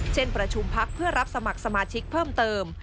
ประชุมพักเพื่อรับสมัครสมาชิกเพิ่มเติม